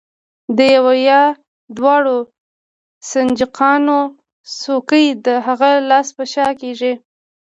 د یوه یا دواړو سنجاقونو څوکې د هغه لاس په شا کېږدئ.